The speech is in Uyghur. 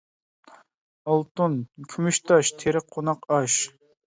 ئالتۇن؟ كۈمۈش تاش، تېرىق؟ قوناق ئاش.